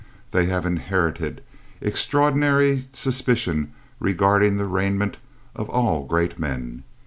They have inherited extraordinary suspicion regarding the raiment of all great men.